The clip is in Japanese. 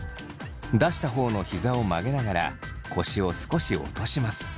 出した方のひざを曲げながら腰を少し落とします。